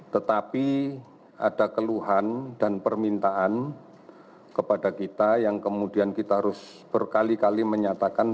tetapi ada keluhan dan permintaan kepada kita yang kemudian kita harus berkali kali menyatakan